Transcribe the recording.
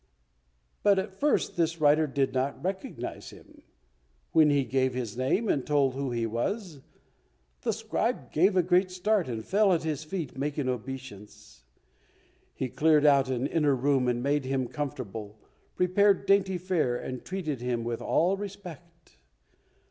But at first this writer did not recognize him. When he gave his name and told who he was, the scribe gave a great start, and fell at his feet making obeisance. He cleared out an inner room and made him comfortable, prepared dainty fare and treated him with all respect.